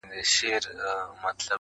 نه پوهیږو ماتوو د چا هډونه -